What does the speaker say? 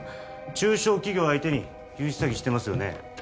中小企業相手に融資詐欺してますよね？